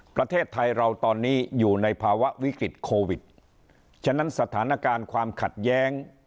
ประเทศไทยเราตอนนี้อยู่ในภาวะวิกฤตโควิดฉะนั้นสถานการณ์ความขัดแย้ง